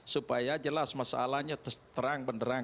supaya jelas masalahnya terang benderang